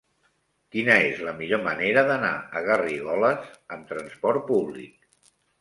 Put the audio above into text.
Quina és la millor manera d'anar a Garrigoles amb trasport públic?